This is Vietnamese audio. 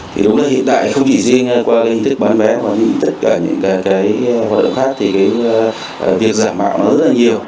thì đúng là hiện tại không chỉ riêng qua cái hình thức bán vé hoặc như tất cả những cái hoạt động khác thì cái việc giả mạng nó rất là nhiều